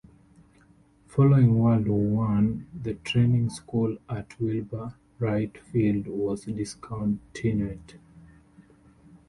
Following World War One, the training school at Wilbur Wright Field was discontinued.